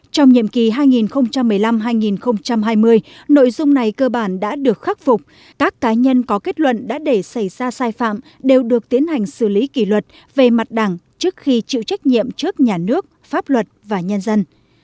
trong nhiệm kỳ hai nghìn một mươi năm hai nghìn hai mươi nội dung này cơ bản đã được khắc phục các cá nhân có kết luận đã để xảy ra sai phạm đều được tiến hành xử lý kỷ luật về mặt đảng trước khi chịu trách nhiệm trước nhà nước pháp luật và nhân dân